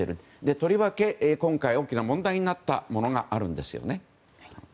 とりわけ、今回大きな問題になったものがあるんですよね。